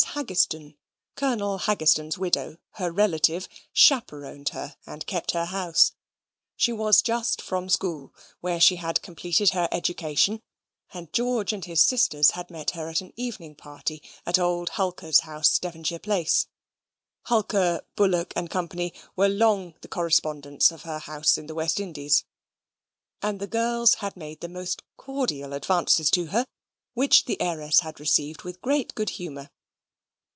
Haggistoun, Colonel Haggistoun's widow, her relative, "chaperoned" her, and kept her house. She was just from school, where she had completed her education, and George and his sisters had met her at an evening party at old Hulker's house, Devonshire Place (Hulker, Bullock, and Co. were long the correspondents of her house in the West Indies), and the girls had made the most cordial advances to her, which the heiress had received with great good humour.